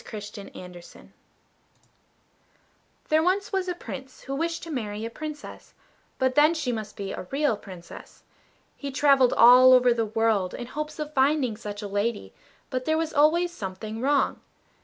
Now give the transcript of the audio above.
THE REAL PRINCESS There was once a Prince who wished to marry a Princess; but then she must be a real Princess. He travelled all over the world in hopes of finding such a lady; but there was always something wrong.